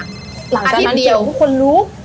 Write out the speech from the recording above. หลังจากนั้นก็เห็นคนรู้